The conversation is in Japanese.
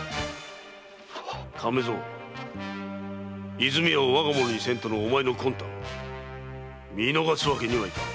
和泉屋を我がものにせんとのお前の魂胆見逃すわけにはいかぬ。